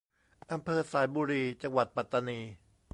อำเภอสายบุรี จังหวัดปัตตานี